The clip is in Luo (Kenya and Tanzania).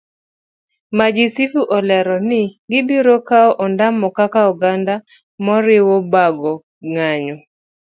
Majisifu olero ni gibiro kawo ondamo kaka oganda moriwo bago ng'anyo